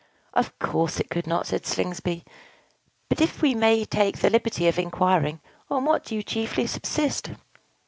"Of course it could not," said Slingsby. "But, if we may take the liberty of inquiring, on what do you chiefly subsist?"